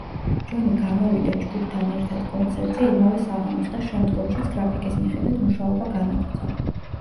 ჯონი გამოვიდა ჯგუფთან ერთად კონცერტზე იმავე საღამოს და შემდგომშიც გრაფიკის მიხედვით მუშაობა განაგრძო.